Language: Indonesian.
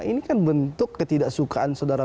ini kan bentuk ketidaksukaan saudara